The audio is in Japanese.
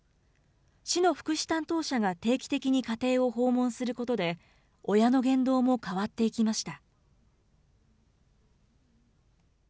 市の福祉担当者が定期的に家庭を訪問することで、親の言動も変わっていきました。